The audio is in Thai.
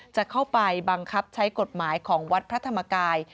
จะเข้าไปบังคับใช้กฎหมายของวัดพระธรรมกาย